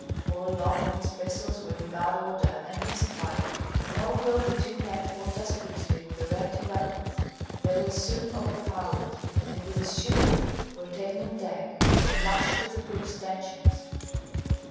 Poor Loftgreen's pistols were in bad order, and missed fire, and although the two men fought desperately with their empty weapons they were soon overpowered, and with the steward were taken on deck and lashed to the poop stanchions.